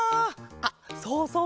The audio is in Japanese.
あっそうそう